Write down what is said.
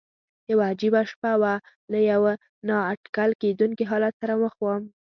یوه عجیبه شپه وه، له یوه نا اټکل کېدونکي حالت سره مخ ووم.